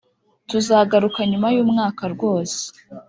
tuzagaruka nyuma y’umwaka rwose.